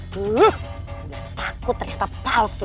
takut ternyata palsu